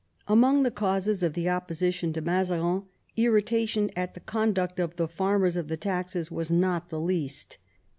Among the causes of the opposition to Mazarin, irritation at the conduct of the farmers of the taxes was not the least.